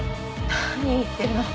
何言ってるの。